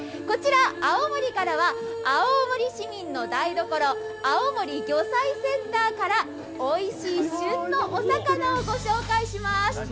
こちら、青森からは青森市民の台所、青森魚菜センターからおいしい旬のお魚をご紹介します。